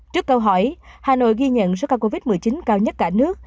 trước câu hỏi hà nội ghi nhận số ca covid một mươi chín cao nhất cả nước